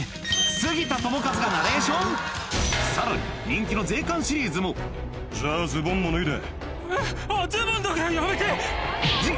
杉田智和がナレーションさらに人気の税関シリーズもじゃあズボンも脱いで。